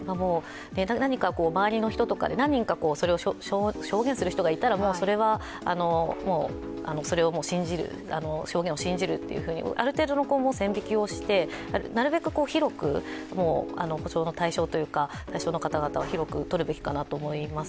周りの人の何人かそれを証言する人がいたらその証言を信じるというふうにある程度、線引きしてなるべく広く補償の対象の方々を広く取るべきかなと考えます。